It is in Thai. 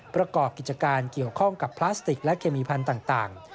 ประกอบกิจการเกี่ยวข้องกับพลาสติกและเคมีพันธุ์ต่าง